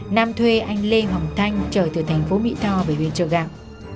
nam thuê anh lê hồng thanh trở từ thành phố mỹ tho về huyện trợ gạc